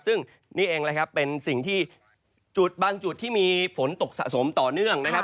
ซึ่งนี่เองแหละครับเป็นสิ่งที่จุดบางจุดที่มีฝนตกสะสมต่อเนื่องนะครับ